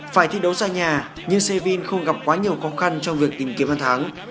phải thi đấu ra nhà nhưng sevilla không gặp quá nhiều khó khăn trong việc tìm kiếm văn thắng